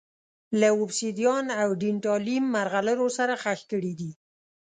له اوبسیدیان او ډینټالیم مرغلرو سره ښخ کړي دي